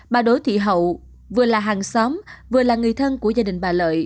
bà đỗ thị hậu vừa là hàng xóm vừa là người thân của gia đình bà lợi